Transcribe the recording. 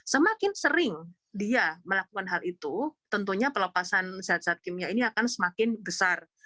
semakin sering dia melakukan hal itu tentunya pelepasan zat zat kimia ini akan semakin besar